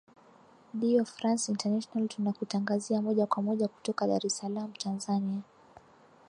dio france international tunakutangazia moja kwa moja kutoka dar es saalm tanzania